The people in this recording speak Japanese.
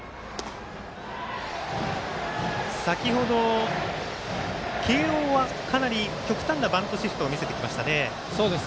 先ほど、慶応はかなり極端なバントシフトを見せてきました。